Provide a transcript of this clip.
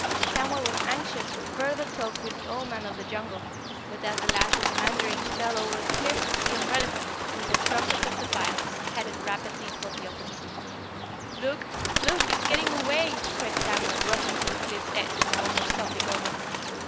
Samuel was anxious for further talk with the Old Man of the Jungle, but as the last Ozamandarin fell over the cliff the umbrellaphant, with a trumpet of defiance, headed rapidly for the open sea. "Look! Look! It's getting away!" cried Samuel, rushing to the cliff's edge and almost tumbling over.